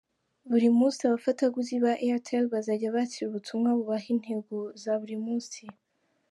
Buri munsi, abafatabuguzi ba Airtel bazajya bakira ubutumwa bubaha intego za buri munsi.